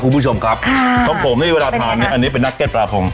คุณผู้ชมครับของผมนี่เวลาทานเนี่ยอันนี้เป็นนักเก็ตปลาพง